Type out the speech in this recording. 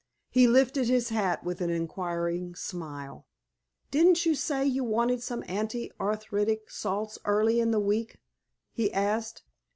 He lifted his hat with an inquiring smile. "Didn't you say you wanted some anti arthritic salts early in the week?" he asked.